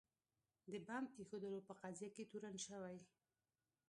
د بمب ایښودلو په قضیه کې تورن شوي.